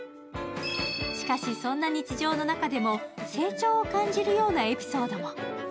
しかし、そんな日常の中でも成長を感じるようなエピソードも。